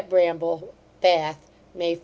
BRAMBLE BATH, May 5.